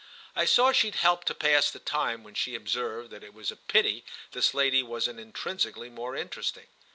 I saw she'd help to pass the time when she observed that it was a pity this lady wasn't intrinsically more interesting.